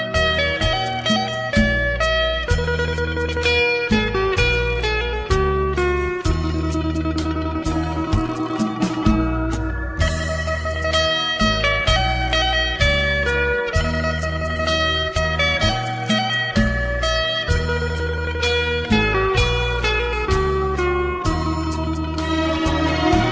นั่นคืออินโพลเพลงแรกของพี่มานกค่ะพี่มานกเป็น